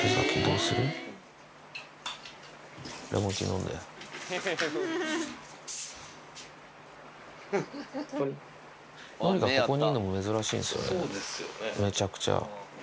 のりがここにいるのも珍しいんですよね、めちゃくちゃ。